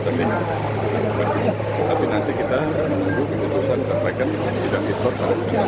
tapi nanti kita menunggu keputusan disampaikan sidang isbat